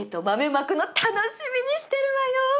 豆まくの楽しみにしてるわよ。